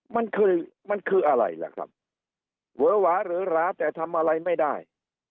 มันคือมันคืออะไรล่ะครับเวอหวาหรือหราแต่ทำอะไรไม่ได้